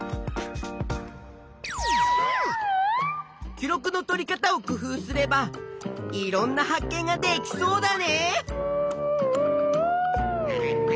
記録のとり方を工夫すればいろんな発見ができそうだね！